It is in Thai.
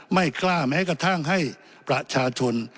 ไม่กล้าแม้กระทั่งให้ประชาชน